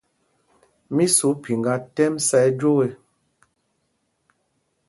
Mí sǒ phiŋgā tɛ́m sá ɛjwōō ê.